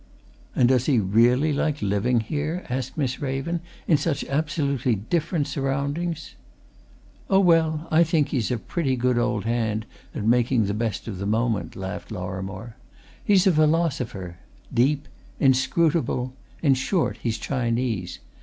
"And does he really like living here?" asked Miss Raven. "In such absolutely different surroundings?" "Oh, well, I think he's a pretty good old hand at making the best of the moment," laughed Lorrimore. "He's a philosopher. Deep inscrutable in short, he's Chinese.